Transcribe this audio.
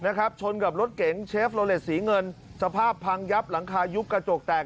ชนกับรถเก๋งเชฟโลเลสสีเงินสภาพพังยับหลังคายุบกระจกแตก